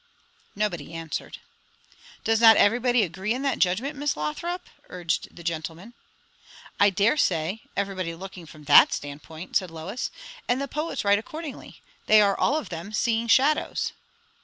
Nobody answered. "Does not everybody agree in that judgment, Miss Lothrop?" urged the gentleman. "I dare say everybody looking from that standpoint," said Lois. "And the poets write accordingly. They are all of them seeing shadows."